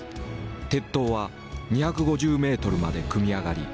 鉄塔は２５０ｍまで組み上がり